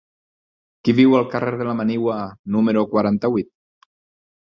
Qui viu al carrer de la Manigua número quaranta-vuit?